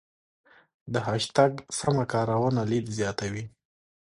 د هشتګ سمه کارونه لید زیاتوي.